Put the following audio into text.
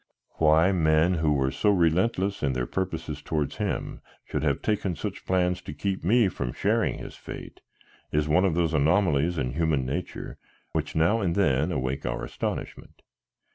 Why men who were so relentless in their purposes towards him should have taken such pains to keep me from sharing his fate, is one of those anomalies in human nature which now and then awake our astonishment.